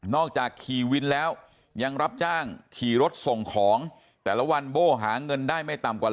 ขี่วินแล้วยังรับจ้างขี่รถส่งของแต่ละวันโบ้หาเงินได้ไม่ต่ำกว่า